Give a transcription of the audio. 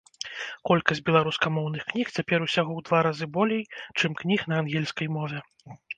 Колькасць беларускамоўных кніг цяпер усяго ў два разы болей, чым кніг на ангельскай мове.